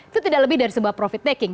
itu tidak lebih dari sebuah profit taking